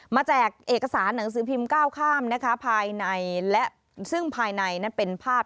มาแจกเอกสารหนังสือพิมพ์๙ข้ามภายในซึ่งภายในนั้นเป็นภาพ